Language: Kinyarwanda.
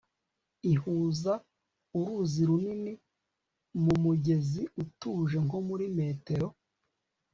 ihuza uruzi runini mu mugezi utuje nko muri metero